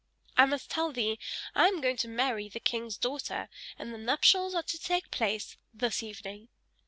I must tell thee: I am going to marry the king's daughter, and the nuptials are to take place this evening!"